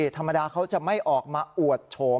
ธรรมดาเขาจะไม่ออกมาอวดโฉม